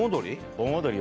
盆踊り？